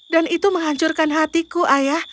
dan itu menghancurkan hatiku ayah